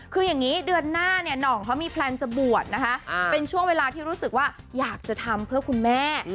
คืออย่างนี้เดือนหน้าเนี่ยหน่องเขามีแพลนจะบวชนะคะเป็นช่วงเวลาที่รู้สึกว่าอยากจะทำเพื่อคุณแม่